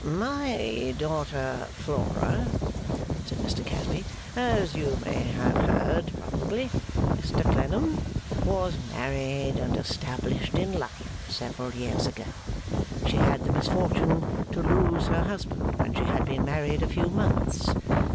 'My daughter Flora,' said Mr Casby, 'as you may have heard probably, Mr Clennam, was married and established in life, several years ago. She had the misfortune to lose her husband when she had been married a few months.